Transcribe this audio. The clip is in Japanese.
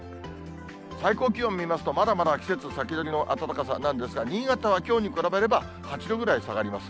最高気温見ますと、まだまだ季節先取りの暖かさなんですが、新潟はきょうに比べれば８度ぐらい下がります。